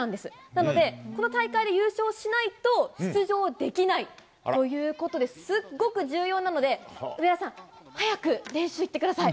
なので、この大会で優勝しないと出場できないということで、すっごく重要なので、上田さん、えー？